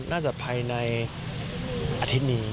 น่าจะภายในอาทิตย์นี้